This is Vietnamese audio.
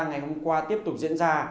ngày hôm qua tiếp tục diễn ra